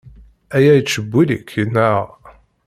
Aya yettcewwil-ik, naɣ?